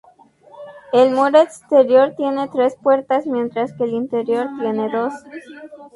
El muro exterior tiene tres puertas, mientras que el interior tiene dos.